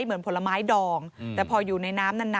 ผลไม้ดองแต่พออยู่ในน้ำนาน